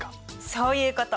そういうこと！